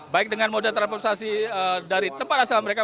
baik dengan moda transportasi dari tempat asal mereka